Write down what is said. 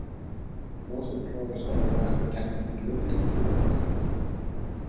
Most employers, however, have a tangibly limited pool of assets.